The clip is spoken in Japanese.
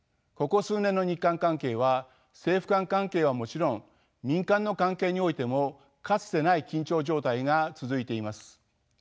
ここ数年の日韓関係は政府間関係はもちろん民間の関係においてもかつてない緊張状態が続いています。